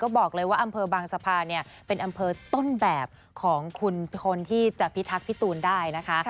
บอกเลยว่าอำเภอบางสะพานเนี่ยเป็นอำเภอต้นแบบของคุณคนที่จะพิทักษ์พี่ตูนได้นะคะ